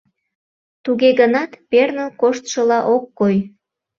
Туге гынат перныл коштшыла ок кой.